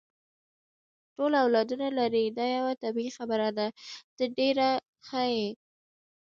ټول اولادونه لري، دا یوه طبیعي خبره ده، ته ډېره ښه یې.